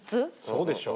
そうでしょう。